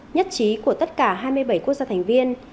nhất trí của tất cả hai mươi bảy quốc gia thành viên